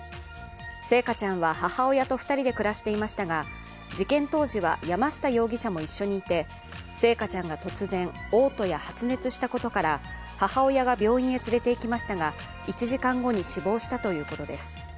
星華ちゃんは母親と２人で暮らしていましたが事件当時は山下容疑者も一緒にいて星華ちゃんが突然、おう吐や発熱したことから母親が病院に連れていきましたが、１時間後に死亡したということです。